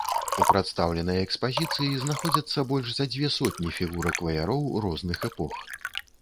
У прадстаўленай экспазіцыі знаходзяцца больш за дзве сотні фігурак ваяроў розных эпох.